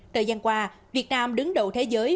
thời gian qua việt nam đứng đầu thế giới